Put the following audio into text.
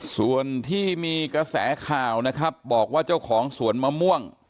ส่วนที่มีกระแสข่าวนะครับบอกว่าเจ้าของสวนมะม่วง